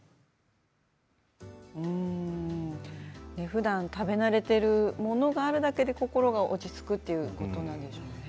ふだん食べ慣れているものがあるだけで心が落ち着くということなんでしょうね。